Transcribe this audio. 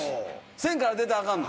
線から出たらアカンの？